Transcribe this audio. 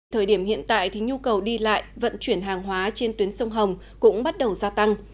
thời điểm hiện tại thì nhu cầu đi lại vận chuyển hàng hóa trên tuyến sông hồng cũng bắt đầu gia tăng